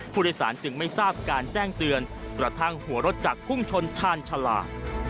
ผู้โดยสารจึงไม่ทราบการแจ้งเตือนกระทั่งหัวรถจักรพุ่งชนชาญชาลา